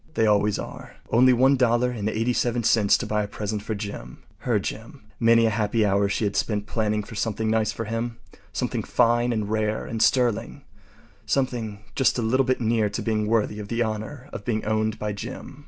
They always are. Only $1.87 to buy a present for Jim. Her Jim. Many a happy hour she had spent planning for something nice for him. Something fine and rare and sterling—something just a little bit near to being worthy of the honor of being owned by Jim.